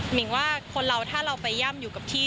มิ่งว่าคนเราถ้าเราไปย่ำอยู่กับที่